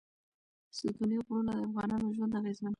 ستوني غرونه د افغانانو ژوند اغېزمن کوي.